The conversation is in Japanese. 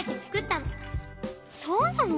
そうなの？